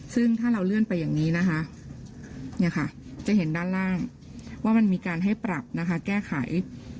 ซึ่งถ้าเราเลื่อนไปอย่างนี้นะคะจะเห็นด้านล่างว่ามันมีการให้ปรับนะคะแก้ไข